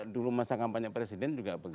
dulu masa kampanye presiden juga begitu